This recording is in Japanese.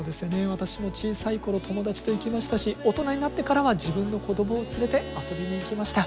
私も小さい頃友達と行きましたし大人になってからは自分の子どもを連れて遊びに行きました。